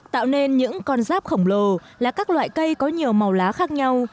tạo nên những con ráp khổng lồ là các loại cây có nhiều màu lá khác nhau